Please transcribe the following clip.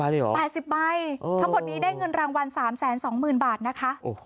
๘๐ใบทั้งหมดนี้ได้เงินรางวัล๓๒๐๐๐บาทนะคะ